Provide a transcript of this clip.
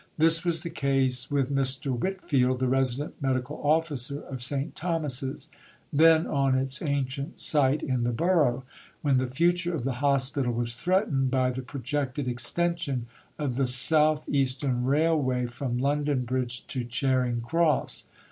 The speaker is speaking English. This was the case with Mr. Whitfield, the Resident Medical Officer of St. Thomas's (then on its ancient site in the Borough), when the future of the Hospital was threatened by the projected extension of the South Eastern Railway from London Bridge to Charing Cross.